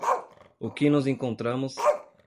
O que nos encontramos